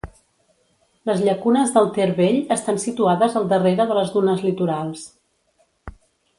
Les llacunes del Ter Vell estan situades al darrere de les dunes litorals.